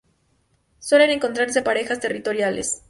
Suelen encontrarse en parejas territoriales.